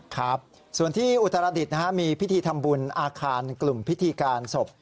ครับส่วนที่อุตรดิษฐ์มีพิธีทำบุญอาคารกลุ่มพิธีการศพ